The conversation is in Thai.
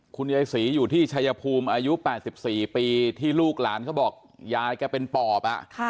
คุณยายศรีอยู่ที่ชายภูมิอายุ๘๔ปีที่ลูกหลานเขาบอกยายแกเป็นปอบ